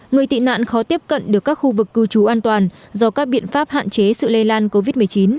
người tị nạn khó tiếp cận được các khu vực cư trú an toàn do các biện pháp hạn chế sự lây lan covid một mươi chín